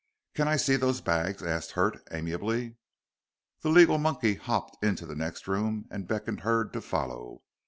"Can I see those bags?" asked Hurd, amiably. The legal monkey hopped into the next room and beckoned Hurd to follow.